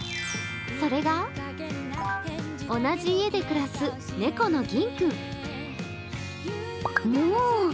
それが、同じ家で暮らす猫のぎんくん。